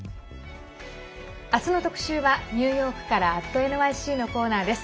明日の特集はニューヨークから「＠ｎｙｃ」のコーナーです。